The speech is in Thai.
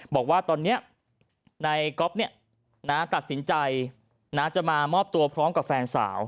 บอกว่าตอนนี้ในก๊อปนี้น้าตัดสินใจน้าจะมามอบตัวพร้อมกับแฟนสาว